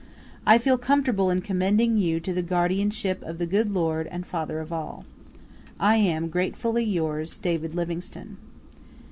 I feel comfortable in commending you to the guardianship of the good Lord and Father of all. I am gratefully yours, David Livingstone.